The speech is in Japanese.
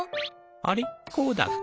あれこうだっけ？